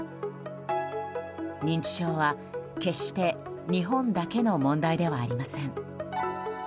認知症は決して日本だけの問題ではありません。